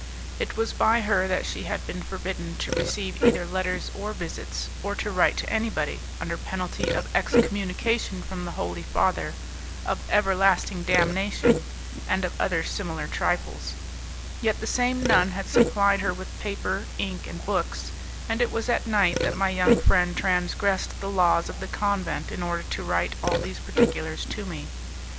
It was by her that she had been forbidden to receive either letters or visits, or to write to anybody, under penalty of excommunication from the Holy Father, of everlasting damnation, and of other similar trifles; yet the same nun had supplied her with paper, ink and books, and it was at night that my young friend transgressed the laws of the convent in order to write all these particulars to me.